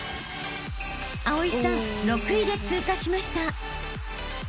［葵さん６位で通過しました］